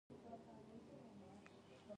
په افغانستان کي د افغان میرمنو رول تاریخي دی.